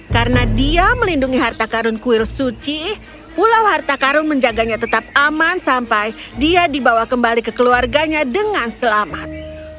karena dia melindungi harta karun kuil suci pulau harta karun menjaganya tetap aman sampai dia dibawa kembali ke keluarganya dengan selamat